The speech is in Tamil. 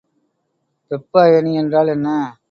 வெப்ப அயனி என்றால் என்ன?